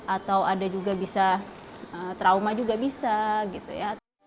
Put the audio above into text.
atau ada juga bisa trauma juga bisa gitu ya